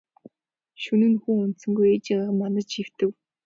Шөнө нь хүү унтсангүй ээжийгээ манаж хэвтэв.